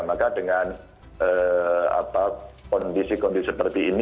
maka dengan kondisi kondisi seperti ini